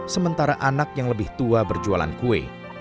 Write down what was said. sementara anak yang lebih tua berjualan kue